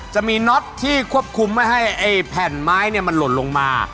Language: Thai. จะมีน็อตที่ควบคุมไม่ให้แผ่นไม้มันหล่นลงมา